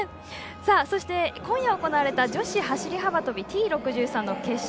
そして、今夜行われた女子走り幅跳びＴ６３の決勝